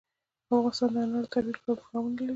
افغانستان د انار د ترویج لپاره پروګرامونه لري.